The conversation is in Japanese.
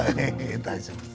大丈夫です。